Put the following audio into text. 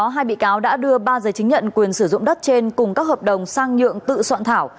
hai bị cáo đã đưa ba giấy chứng nhận quyền sử dụng đất trên cùng các hợp đồng sang nhượng tự soạn thảo